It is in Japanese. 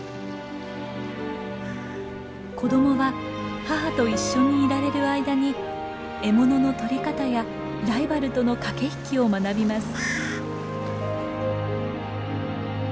子どもは母と一緒にいられる間に獲物のとり方やライバルとの駆け引きを学びます。